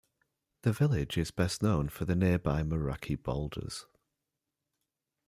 The village is best known for the nearby Moeraki Boulders.